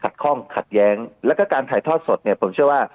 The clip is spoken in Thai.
ข้องขัดแย้งแล้วก็การถ่ายทอดสดเนี่ยผมเชื่อว่า